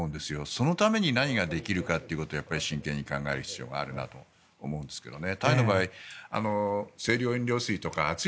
そのために何ができるかということを真剣に考える必要があるなと思うんですけどね。